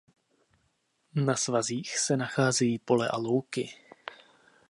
Na svazích se nacházejí pole a louky.